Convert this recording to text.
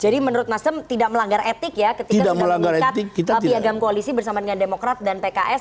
jadi menurut mas sem tidak melanggar etik ya ketika sudah meningkat piagam koalisi bersama dengan demokrat dan pks